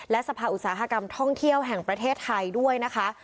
และสภาอุตสาหกรรมท่องเที่ยวแห่งประเทศไทยด้วยนะคะ